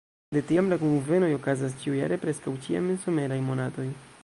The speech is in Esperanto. De tiam la kunvenoj okazas ĉiujare, preskaŭ ĉiam en someraj monatoj.